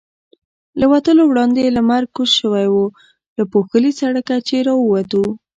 له وتلو وړاندې لمر کوز شوی و، له پوښلي سړکه چې را ووتو.